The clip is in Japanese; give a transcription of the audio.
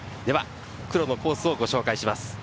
では復路のコースをご紹介します。